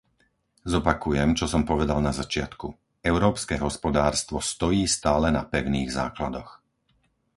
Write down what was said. Zopakujem, čo som povedal na začiatku. Európske hospodárstvo stojí stále na pevných základoch.